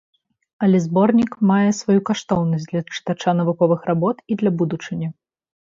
Але зборнік мае сваю каштоўнасць для чытача навуковых работ і для будучыні.